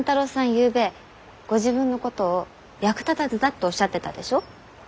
ゆうべご自分のことを役立たずだっておっしゃってたでしょ？